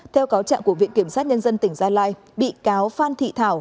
theo cáo trạng của viện kiểm sát nhân dân tỉnh gia lai bị cáo phan thị thảo